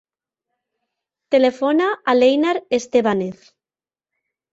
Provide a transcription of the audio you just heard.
Telefona a l'Einar Estebanez.